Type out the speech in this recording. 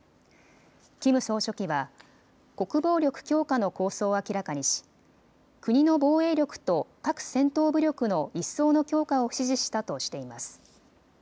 キム総書記は国防力強化の構想を明らかにし、国の防衛力と核戦闘武力の一層の強化を指示したとしています。